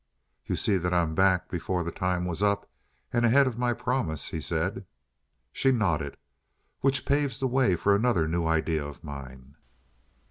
"You see that I'm back before the time was up and ahead of my promise," he said. She nodded. "Which paves the way for another new idea of mine."